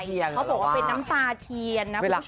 เขาบอกว่าเป็นน้ำตาเทียนนะคุณผู้ชม